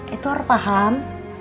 eh tuhar paham